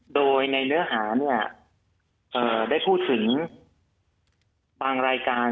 โดยในเนื้อหาเนี่ยได้พูดถึงบางรายการ